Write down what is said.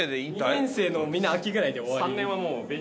２年生のみんな秋ぐらいで終わり。